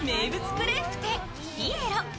クレープ店・ピエロ。